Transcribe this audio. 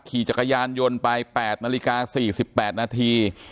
ขี่จักรยานยนต์ไป๘นาฬิกา๔๘นาที